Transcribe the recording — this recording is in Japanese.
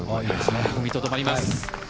踏みとどまります。